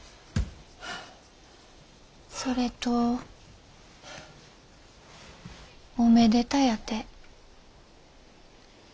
それとおめでたやて。